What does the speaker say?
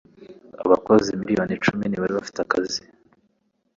Abakozi miliyoni icumi ntibari bafite akazi